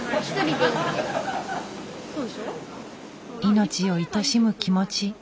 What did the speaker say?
命をいとしむ気持ち。